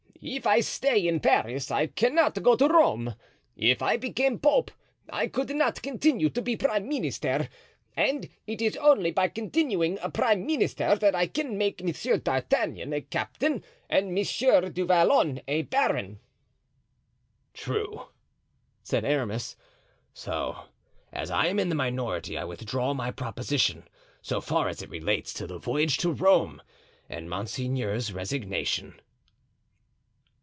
If I stay in Paris I cannot go to Rome; if I became pope I could not continue to be prime minister; and it is only by continuing prime minister that I can make Monsieur d'Artagnan a captain and Monsieur du Vallon a baron." "True," said Aramis, "so, as I am in a minority, I withdraw my proposition, so far as it relates to the voyage to Rome and monseigneur's resignation."